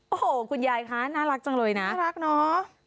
โอ้โหคุณยายคะน่ารักจังเลยนะน่ารักเนอะ